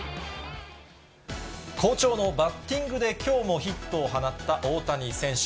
好調のバッティングできょうもヒットを放った大谷選手。